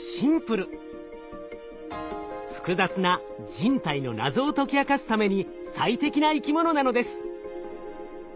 複雑な人体の謎を解き明かすために最適な生き物なのです。